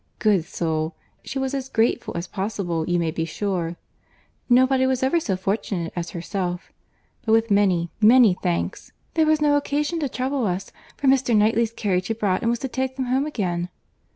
Good soul! she was as grateful as possible, you may be sure. 'Nobody was ever so fortunate as herself!'—but with many, many thanks—'there was no occasion to trouble us, for Mr. Knightley's carriage had brought, and was to take them home again.